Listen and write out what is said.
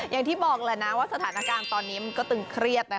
อย่างที่บอกแหละนะว่าสถานการณ์ตอนนี้มันก็ตึงเครียดนะคะ